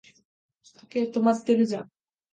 時計、止まってるじゃん